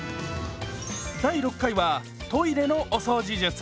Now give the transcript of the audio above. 第６回はトイレのお掃除術。